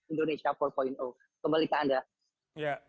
indonesia empat kembali ke anda